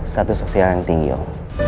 satu sosial yang tinggi om